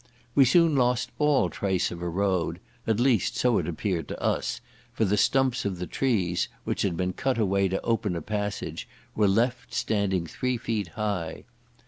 We soon lost all trace of a road, at least so it appeared to us, for the stumps of the trees, which had been cut away to open a passage, were left standing three feet high.